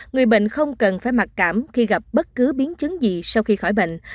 người bệnh không cần phải mặc cảm khi gặp bất cứ biến chứng gì sau khi khỏi bệnh